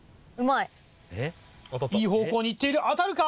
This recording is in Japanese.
いい方向に行っている当たるか？